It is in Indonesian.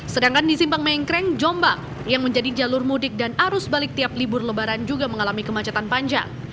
sedangkan di simpang mengkreng jombang yang menjadi jalur mudik dan arus balik tiap libur lebaran juga mengalami kemacetan panjang